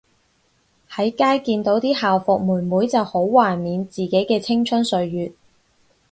喺街見到啲校服妹妹就好懷緬自己嘅青春歲月